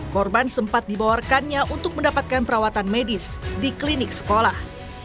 korban sempat dibawa rekannya untuk mendapatkan perawatan medis di klinik sekolah